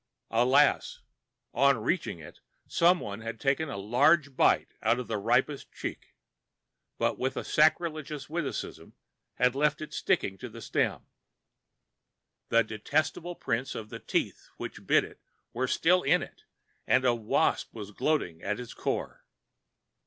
Alas! on reaching it, somebody had taken a large bite out of the ripest cheek, but with a sacrilegious witticism had left it sticking to the stem. The detestable prints of the teeth which bit it were still in it, and a wasp was gloating at its core.